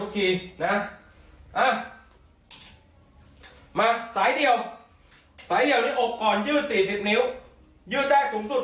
ทุกทีนะฮะมาสายเดียวสายเดียวนี่อกกรยื่นสี่สิบนิ้วยื่นได้สูงสุดเลย